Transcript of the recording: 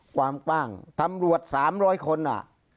ความกว้างตำรวจ๓๐๐คนอ่ะ